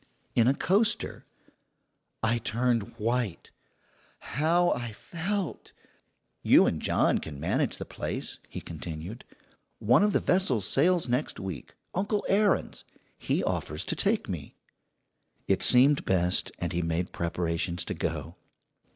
"'In a coaster.' "I turned white. How I felt! "'You and John can manage the place,' he continued. 'One of the vessels sails next week Uncle Aaron's; he offers to take me.' "It seemed best, and he made preparations to go.